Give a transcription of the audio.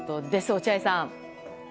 落合さん。